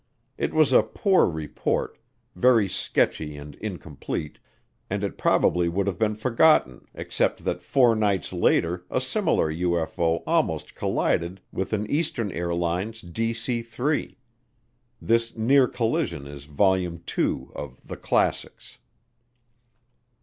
It was a poor report, very sketchy and incomplete, and it probably would have been forgotten except that four nights later a similar UFO almost collided with an Eastern Airlines DC 3. This near collision is Volume II of "The Classics."